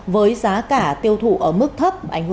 với giá cả tiêu thụ ở mức thấp